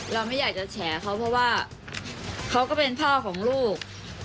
เราไม่อยากจะแฉเขาเพราะว่าเขาก็เป็นพ่อของลูก